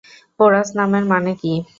Porous নামের মানে কি?